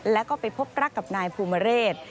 แล้วก็ไปพบรักกับนายภูมิเรศ